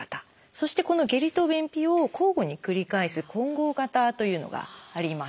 そしてこの下痢と便秘を交互に繰り返す「混合型」というのがあります。